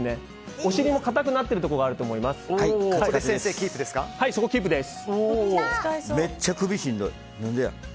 お尻も硬くなっているところがあると思いますがそこでキープです。